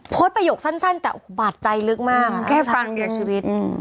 โพสต์ประโยคสั้นสั้นแต่บาดใจลึกมากแค่ฟังเสียชีวิตอืม